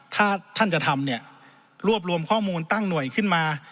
ถ้าท่านจะทำเนี่ยรวบรวมข้อมูลตั้งหน่วยขึ้นมา